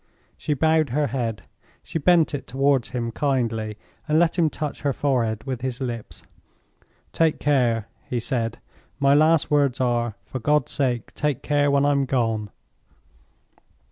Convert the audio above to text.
She bowed her head; she bent it toward him kindly and let him touch her fore head with his lips. "Take care!" he said. "My last words are—for God's sake take care when I'm gone!"